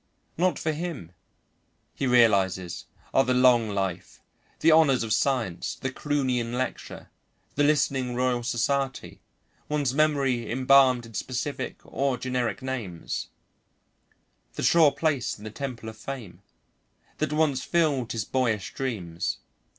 Not for him, he realises, are the long life, the honours of science, the Croonian lecture, the listening Royal Society, one's memory embalmed in specific or generic names, the sure place in the temple of fame, that once filled his boyish dreams.